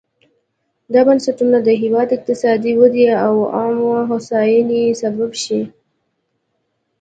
دا بنسټونه د هېواد اقتصادي ودې او عامه هوساینې سبب شي.